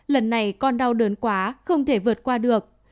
lần này con đau đớn quá không thể vượt qua được